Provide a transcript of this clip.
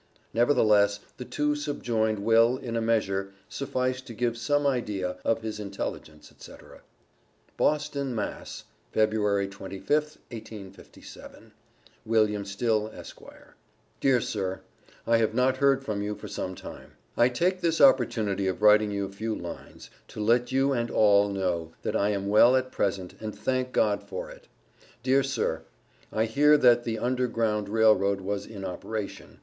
Nevertheless the two subjoined will, in a measure, suffice to give some idea of his intelligence, etc. BOSTON, Mass., Feb. 25th, 1857. WILLIAM STILL, Esq.: Dear Sir I have not heard from you for some time. I take this opportunity of writing you a few lines to let you and all know that I am well at present and thank God for it. Dear Sir, I hear that the under ground railroad was in operation.